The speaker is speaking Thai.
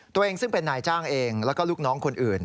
ตัวเองซึ่งเป็นนายจ้างเองแล้วก็ลูกน้องคนอื่น